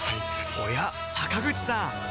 おや坂口さん